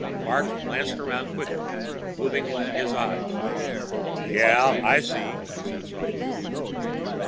Parks glanced around quickly, moving only his eyes. "Yeah. I see," he said softly.